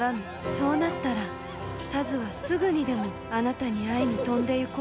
そうなったら田鶴はすぐにでもあなたに会いに飛んでゆこう。